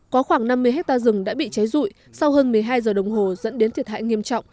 có khoảng năm mươi hectare rừng đã bị cháy rụi sau hơn một mươi hai giờ đồng hồ dẫn đến thiệt hại nghiêm trọng